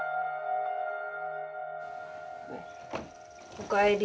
おかえり。